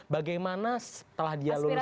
bagaimana setelah dia lulus kuliah